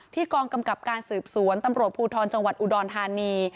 กองกำกับการสืบสวนตำรวจภูทรจังหวัดอุดรธานี